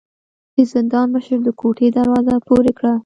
د زندان مشر د کوټې دروازه پورې کړه.